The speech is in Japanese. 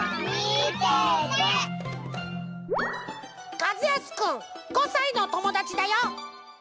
かずやすくん５さいのともだちだよ。